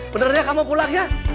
bener ya kamu pulang ya